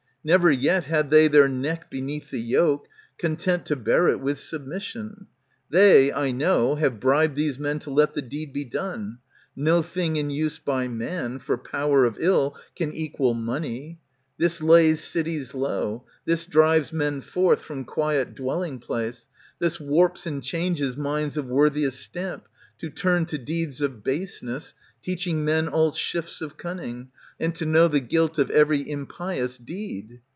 Never yet Had they their neck beneath the yoke, content To bear it wath submission. They, I know, Have bribed these men to let the deed be done. No thing in use by man, for power of ill, Can equal money. This lays cities low, This drives men forth from quiet dwelling place, This warps and changes minds of worthiest stamp. To turn to deeds of baseness, teaching men All shifts of cunning, and to know the guilt •^ Of every impious deed.